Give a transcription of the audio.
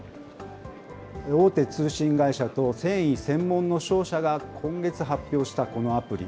大手通信会社と繊維専門の商社が今月発表したこのアプリ。